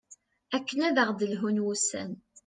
akken ad aɣ-d-lhun wussan